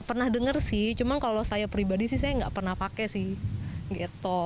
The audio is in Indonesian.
pernah dengar sih cuma kalau saya pribadi sih saya nggak pernah pakai sih gitu